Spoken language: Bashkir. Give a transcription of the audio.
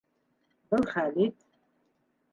Был Хәлит